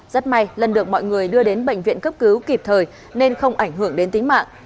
rất may lân được mọi người đưa đến bệnh viện cấp cứu kịp thời nên không ảnh hưởng đến tính mạng